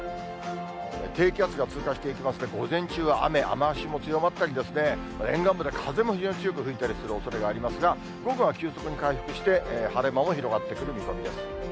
低気圧が通過していきますので、午前中は雨、雨足も強まったり、沿岸部で風も強く吹いたりするおそれがありますが、午後は急速に回復して、晴れ間も広がってくる見込みです。